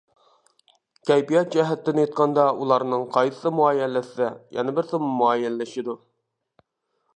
كەيپىيات جەھەتتىن ئېيتقاندا ئۇلارنىڭ قايسىسى مۇئەييەنلەشسە يەنە بىرسىمۇ مۇئەييەنلىشىدۇ.